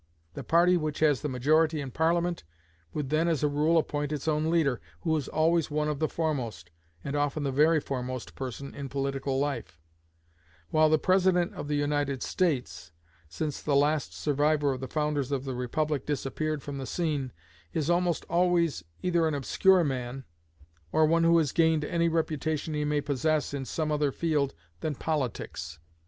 The party which has the majority in Parliament would then, as a rule, appoint its own leader, who is always one of the foremost, and often the very foremost person in political life; while the President of the United States, since the last survivor of the founders of the republic disappeared from the scene, is almost always either an obscure man, or one who has gained any reputation he may possess in some other field than politics.